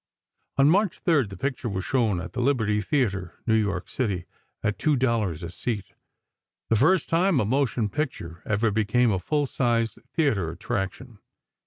On March 3, the picture was shown at the Liberty Theatre, New York City, at two dollars a seat, the first time a motion picture ever became a full sized theatre attraction.